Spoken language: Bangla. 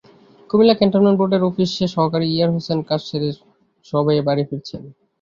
কুমিল্লা ক্যান্টনমেন্ট বোর্ডের অফিস সহকারী ইয়ার হোসেন কাজ সেরে সবে বাড়ি ফিরেছেন।